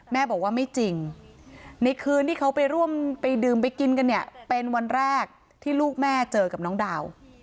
แม่บอกว่าไม่จริงในคืนที่เขาไปร่วมไปดื่มไปกินกันเนี่ยเป็นวันแรกที่ลูกแม่เจอกับน้องดาว